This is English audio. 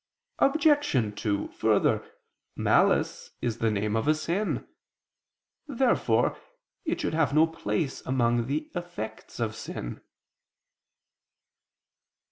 Obj. 2: Further, malice is the name of a sin. Therefore it should have no place among the effects of sin.